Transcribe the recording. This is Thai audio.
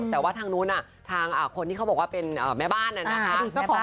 แต่ว่าทางนู้นทางคนที่เขาบอกว่าเป็นแม่บ้านน่ะนะคะ